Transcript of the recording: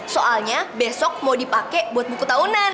soalnya besok mau dipakai buat buku tahunan